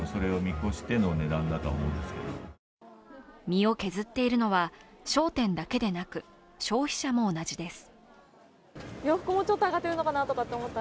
身を削っているのは商店だけでなく、消費者も同じです。